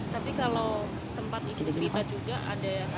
tapi kalau sempat itu cerita juga